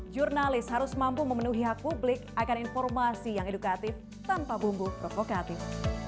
jurnalis harus mampu memenuhi hak publik akan informasi yang edukatif tanpa bumbu provokatif